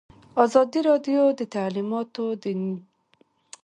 ازادي راډیو د تعلیمات د نجونو لپاره په اړه د مینه والو لیکونه لوستي.